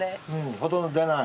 ほとんど出ない？